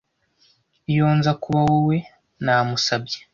Iyo nza kuba wowe, namusabye.